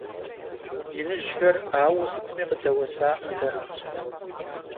Иныжьхэр ауэ сытми къыдэуэсакъым дэ.